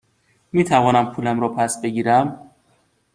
می توانم پولم را پس بگیرم؟